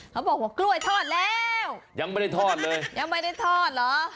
เขาบอกว่ากล้วยทอดแล้วยังไม่ได้ทอดเลยยังไม่ได้ทอดเหรอ